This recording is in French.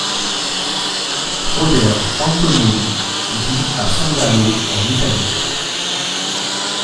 Robert Antonioli vit à Sondalo en Italie.